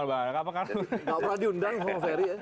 nggak pernah diundang sama ferry